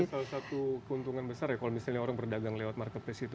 salah satu keuntungan besar ya kalau misalnya orang berdagang lewat marketplace itu